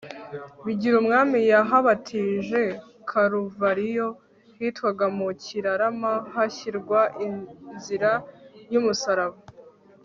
bigirumwami, yahabatije karuvariyo hitwaga mu kirarama, hashyirwa inzira y'umusaraba